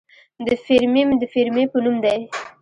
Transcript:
د فیرمیم د فیرمي په نوم دی.